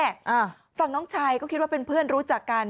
อ่าฝั่งน้องชายก็คิดว่าเป็นเพื่อนรู้จักกัน